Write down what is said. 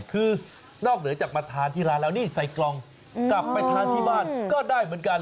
คือนอกเหนือจากมาทานที่ร้านแล้วนี่ใส่กล่องกลับไปทานที่บ้านก็ได้เหมือนกัน